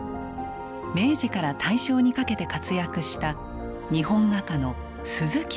明治から大正にかけて活躍した日本画家の鈴木松年。